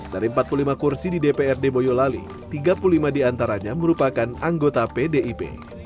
dari empat puluh lima kursi di dprd boyolali tiga puluh lima diantaranya merupakan anggota pdip